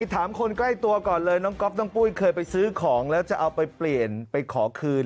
ถามคนใกล้ตัวก่อนเลยน้องก๊อฟน้องปุ้ยเคยไปซื้อของแล้วจะเอาไปเปลี่ยนไปขอคืน